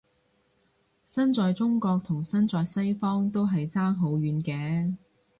身在中國同身在西方都係爭好遠嘅